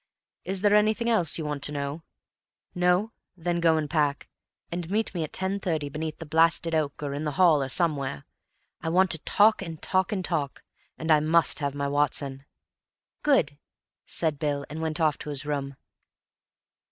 Is there anything else you want to know? No? Then go and pack. And meet me at ten thirty beneath the blasted oak or in the hall or somewhere. I want to talk and talk and talk, and I must have my Watson." "Good," said Bill, and went off to his room.